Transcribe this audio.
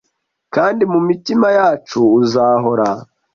kandi mumitima yacu uzahora